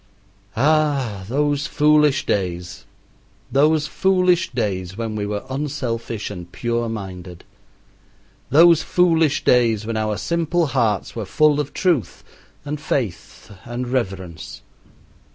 Ah, those foolish days, those foolish days when we were unselfish and pure minded; those foolish days when our simple hearts were full of truth, and faith, and reverence!